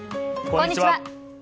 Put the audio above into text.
こんにちは。